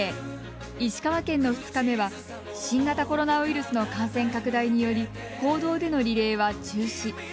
石川県の２日目は新型コロナウイルスの感染拡大により公道でのリレーは中止。